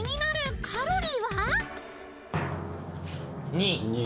２。